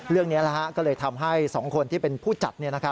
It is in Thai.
เรื่องนี้ก็เลยทำให้๒คนที่เป็นผู้จัด